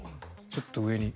ちょっと上に。